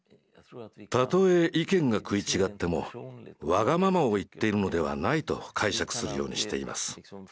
たとえ意見が食い違ってもわがままを言っているのではないと解釈するようにしています。